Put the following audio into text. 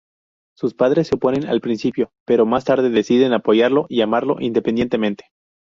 Sus padres se oponen al principio, pero más tarde deciden apoyarlo y amarlo independientemente.